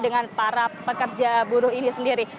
dengan para pekerja buruh ini sendiri